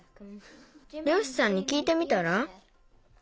りょうしさんにきいてみたら？